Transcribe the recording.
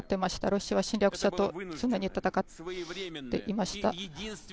ロシアは侵略者と常に戦っていました。